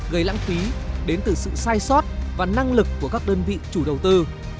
gây lãng phí đến từ sự sai sót và năng lực của các đơn vị chủ đầu tư